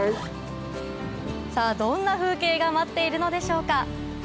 さぁどんな風景が待っているのでしょうか？